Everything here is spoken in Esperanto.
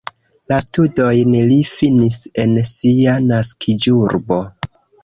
La studojn li finis en sia naskiĝurbo.